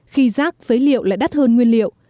khi rác phế liệu lại đắt hơn nguyên liệu